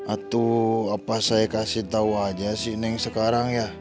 atau apa saya kasih tahu aja sih neng sekarang ya